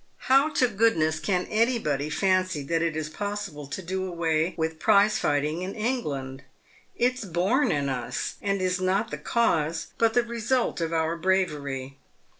How to goodness can any body fancy that it is possible to do away with prize fighting in Eng land ? It's born in us, and is not the cause, but the result of our bravery.